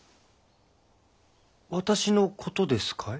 私のことですかい？